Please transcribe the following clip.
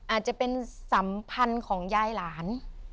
อาจจะเป็นสัมพันธ์ของยายหลาน